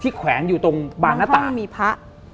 ที่แขวงอยู่ตรงบางหน้าตา